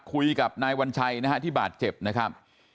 คุยกับนายวัญชัยนะฮะที่บาดเจ็บนะครับ